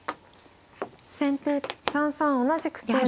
先手３三同じく桂成。